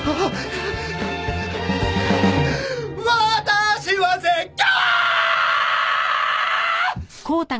「私は絶叫！」